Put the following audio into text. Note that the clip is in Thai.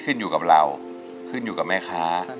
ขึ้นอยู่กับเราขึ้นอยู่กับแม่ค้า